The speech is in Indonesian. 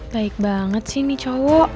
baik banget sih ini cowok